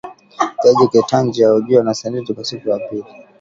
Jaji Ketanji ahojiwa na seneti kwa siku ya pili